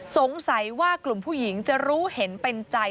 สงสัยว่ากลุ่มผู้หญิงจะรู้เห็นเป็นใจ